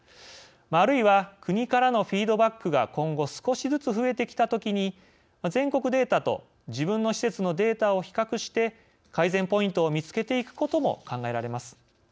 あるいは国からのフィードバックが今後、少しずつ増えてきたときに全国データと自分の施設のデータを比較して改善ポイントを見つけていくことも考えられます。